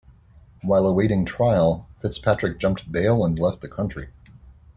While awaiting trial, Fitzpatrick jumped bail and left the country.